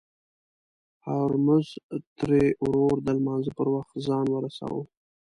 هورموز تري ورور د لمانځه پر وخت ځان ورساوه.